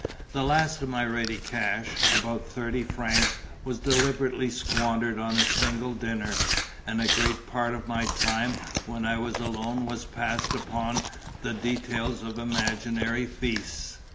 The last of my ready cash, about thirty francs, was deliberately squandered on a single dinner; and a great part of my time when I was alone was passed upon the details of imaginary feasts.